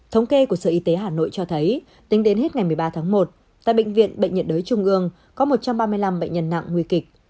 thống kê của sở y tế hà nội cho thấy tính đến hết ngày một mươi ba tháng một tại bệnh viện bệnh nhiệt đới trung ương có một trăm ba mươi năm bệnh nhân nặng nguy kịch